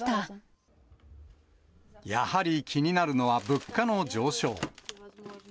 やはり気になるのは、物価の上昇。